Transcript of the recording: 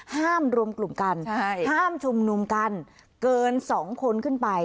ห้ามรวมกลุ่มกันห้ามชุมนุมกันเกิน๒คนขึ้นไป